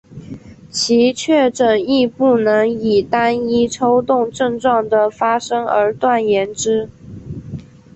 其确诊亦不能以单一抽动症状的发生而断言之。